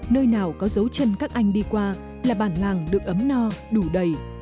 nơi nào có dấu chân các anh đi qua là bản làng được ấm no đủ đầy